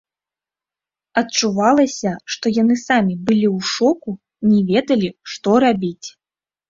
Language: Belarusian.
Адчувалася, што яны самі былі ў шоку, не ведалі, што рабіць.